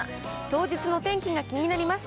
当日のお天気が気になります。